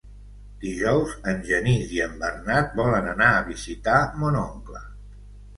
Dijous en Genís i en Bernat volen anar a visitar mon oncle.